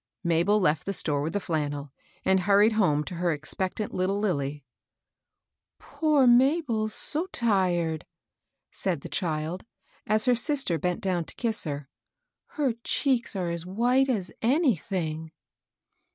Mabel left the store with the flannel, and hur tled home to her expectant little Lilly. " Poor Mabel's so tired," said the child, as her sister bent down to kiss her; "her cheeks are as white as anything."